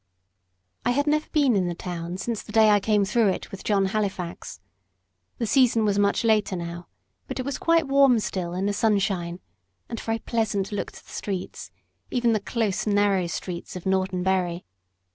I had never been in the town since the day I came through it with John Halifax. The season was much later now, but it was quite warm still in the sunshine, and very pleasant looked the streets, even the close, narrow streets of Norton Bury.